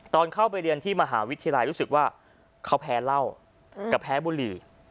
ตอนเข้าไปเรียนที่มหาวิทยาลัยรู้สึกว่าเขาแพ้เหล้ากับแพ้บุหรี่